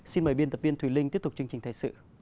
xin mời biên tập viên thùy linh tiếp tục chương trình thời sự